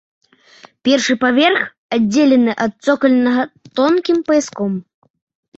Першы паверх аддзелены ад цокальнага тонкім паяском.